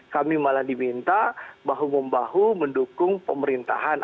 kami malah diminta bahu membahu mendukung pemerintahan